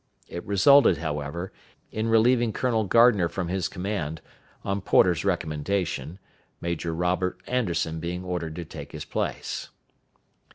It resulted, however, in relieving Colonel Gardner from his command, on Porter's recommendation, Major Robert Anderson being ordered to take his place.